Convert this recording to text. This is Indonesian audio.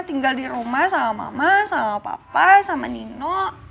tinggal di rumah sama mama sama papa sama nino